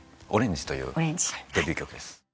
『オレンジ』というデビュー曲です。